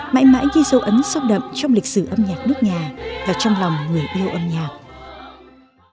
mãi mãi ghi dấu ấn sóc đậm trong lịch sử âm nhạc nước nhà và trong lòng người yêu âm nhạc